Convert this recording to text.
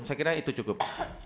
saya kira itu cukup